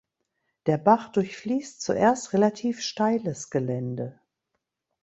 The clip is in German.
Der Bach durchfliesst zuerst relativ steiles Gelände.